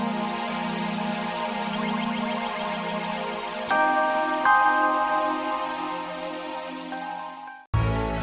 assalamualaikum warahmatullahi wabarakatuh